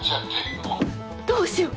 どうしよう